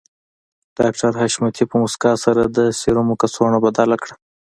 ډاکټر حشمتي په مسکا سره د سيرومو کڅوړه بدله کړه